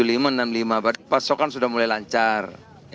rp enam puluh lima berarti pasokan sudah mulai lancar